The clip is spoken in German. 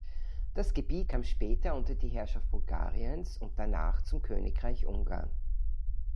Das Gebiet kam später unter die Herrschaft Bulgariens und danach zum Königreich Ungarn.